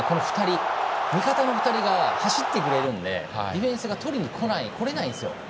味方の２人が走ってくれるんでディフェンスがとりにこれないんですよ。